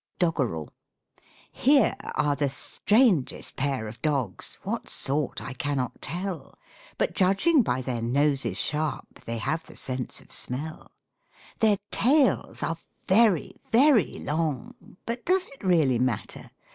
DOGGEREL Here are the strangest pair of dogs, What sort I cannot tell, But judging by their noses sharp They have the sense of smell. Their tails are very, very long, But does it really matter?